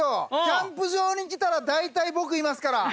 キャンプ場に来たらだいたい僕いますから。